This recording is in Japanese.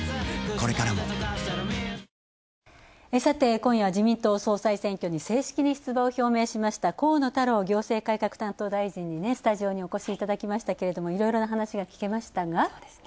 今夜は自民党総裁選挙に正式に出馬を表明しました、河野太郎行政改革担当大臣にスタジオにお越しいただきましたけども、いろいろなお話が聞けましたが。